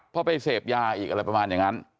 เพราะไปเสพยาอีกอะไรประมาณอย่างนั้น